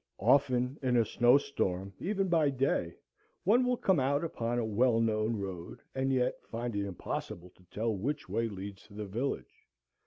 Often in a snow storm, even by day, one will come out upon a well known road and yet find it impossible to tell which way leads to the village.